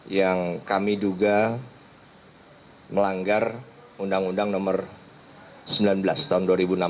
yang kami duga melanggar undang undang nomor sembilan belas tahun dua ribu enam belas